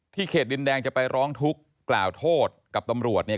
เขตดินแดงจะไปร้องทุกข์กล่าวโทษกับตำรวจเนี่ย